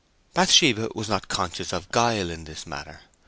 Bathsheba was not conscious of guile in this matter.